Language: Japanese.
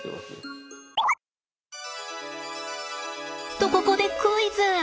とここでクイズ！